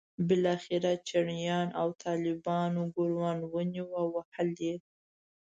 بالاخره چړیانو او طالبانو ګوروان ونیو او وهل یې.